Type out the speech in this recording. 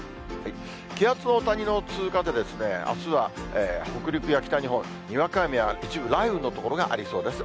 気圧の谷の通過で、あすは北陸や北日本、にわか雨や一部雷雨の所がありそうです。